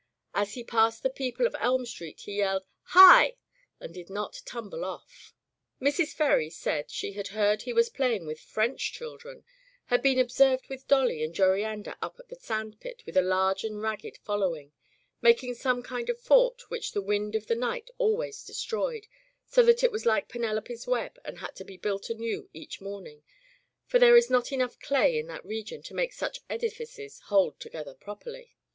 As he passed the people of Elm Street he yelled "Hi!" and did not tum ble off. [261 ] Digitized by LjOOQ IC Interventions Mrs. Ferry said she had heard he was playing widi French children — ^had been observed with Dolly and Joriander up at the sand pit with a large and ragged following, making some kind of fort which the wind of the night always destroyed, so that it was like Penelope's web and had to be built anew each morning, for there is not enough clay in that region to make such edifices hold to gether properly.